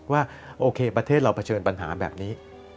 ว่าโอเคประเทศเราเผชิญปัญหาแบบนี้